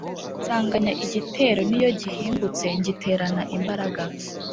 Nsanganya igitero n’iyo gihingutse ngiterana imbaraga,